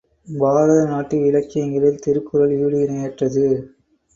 பாரத நாட்டு இலக்கியங்களில் திருக்குறள் ஈடு இணையற்றது.